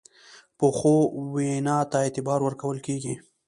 پخو وینا ته اعتبار ورکول کېږي